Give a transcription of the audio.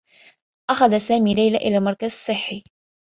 أخذ سامي ليلى إلى المركز الصّحّي.